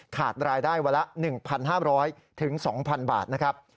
ขาดรายได้วันละ๑๕๐๐๒๐๐บาทนะครับ